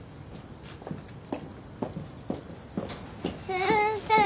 先生。